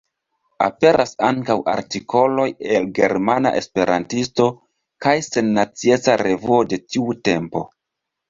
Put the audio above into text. Aperas ankaŭ artikoloj el Germana Esperantisto kaj Sennacieca Revuo de tiu tempo.